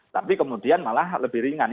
tapi kemudian malah lebih ringan